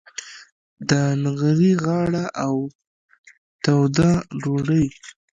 د نغري غاړه او توده ډوډۍ.